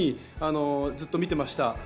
ずっと見ていました。